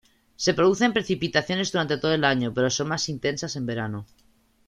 Se producen precipitaciones durante todo el año, pero son más intensas en verano.